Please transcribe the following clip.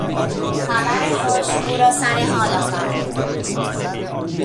خبر خوش او را سر حال آورد.